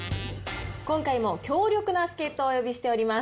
今回も強力な助っ人をお呼びしております。